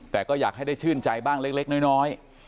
แต่ก็อยากให้ได้ชื่นใจบ้างเล็กน้อย